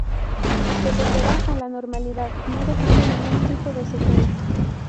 Se volverá a la normalidad no dejando ningún tipo de secuela.